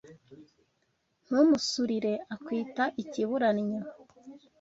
ntumusurire akwita ikibura nnyo